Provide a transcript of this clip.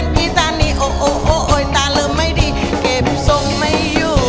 หนุ่มโดยเต่าไว้แปดควบน้องพอร์ชสามารถมัดใจกรรมการได้อยู่หมัด